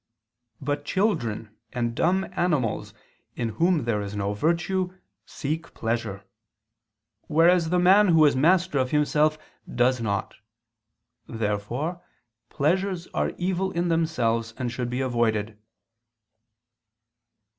But children and dumb animals, in whom there is no virtue, seek pleasure: whereas the man who is master of himself does not. Therefore pleasures are evil in themselves and should be avoided.